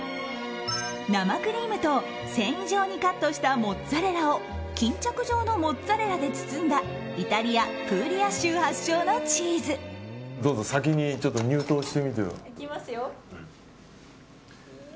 生クリームと繊維状にカットしたモッツァレラを巾着状のモッツァレラで包んだイタリア・プーリア州発祥のチーズ。いきますよ！